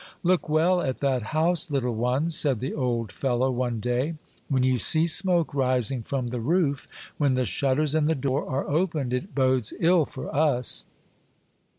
Look well at that house, little one," said the old fellow one day ;'' when you see smoke rising from the roof, when the shutters and the door are opened, it bodes ill for us."